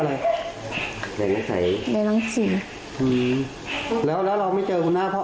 ได้ยินว่าเราจะไปตามหากุญพ่อหรอ